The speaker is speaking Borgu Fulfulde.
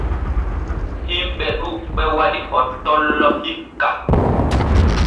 Himɓe ɗuuɓɓe waɗi hottollo hikka.